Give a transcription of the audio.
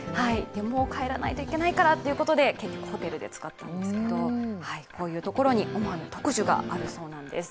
帰らないといけないからってことで結局ホテルで使ったんですけどこういうところに思わぬ特需があるそうなんです。